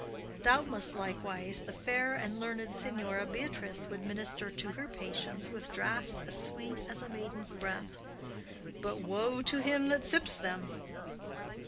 Doubtless, likewise, the fair and learned Signora Beatrice would minister to her patients with draughts as sweet as a maiden's breath; but woe to him that sips them!"